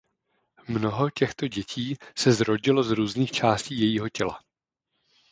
Mnoho těchto dětí se zrodilo z různých částí jejího těla.